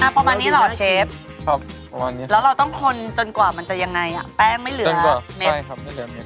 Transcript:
พอประมาณนี้เหรอเชฟแล้วเราต้องคนจนกว่ามันจะยังไงแป้งไม่เหลือเม็ดใช่ครับไม่เหลือเม็ดครับ